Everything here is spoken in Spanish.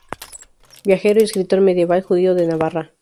Viajero y escritor medieval judío de Navarra.